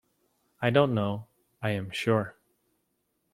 I don't know, I am sure!